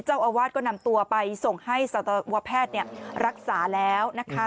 เจ้าอาวาสก็นำตัวไปส่งให้สัตวแพทย์รักษาแล้วนะคะ